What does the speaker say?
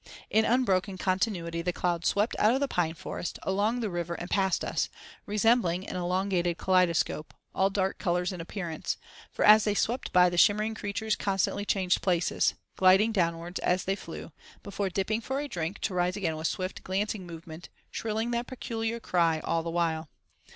In unbroken continuity the cloud swept out of the pine forest, along the river, and past us, resembling an elongated kaleidoscope, all dark colours in appearance; for as they swept by the shimmering creatures constantly changed places—gliding downwards as they flew, before dipping for a drink to rise again with swift, glancing movement, shrilling that peculiar cry all the while.